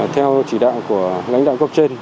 theo chỉ đạo của lãnh đạo cấp trên